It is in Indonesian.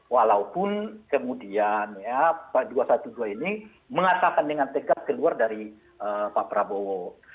walaupun kemudian ya pak dua ratus dua belas ini mengatakan dengan tegas keluar dari pak prabowo